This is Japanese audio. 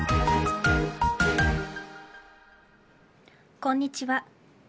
こんにちは。